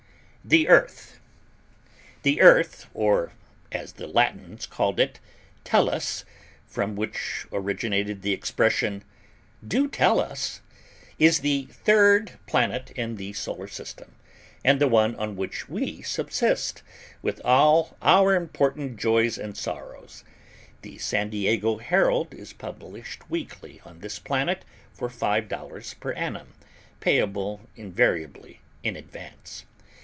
THE EARTH The Earth, or as the Latins called it, Tellus (from which originated the expression, "Do tell us"), is the third planet in the Solar System, and the one on which we subsist, with all our important joys and sorrows. The San Diego Herald is published weekly on this planet, for five dollars per annum, payable invariably in advance.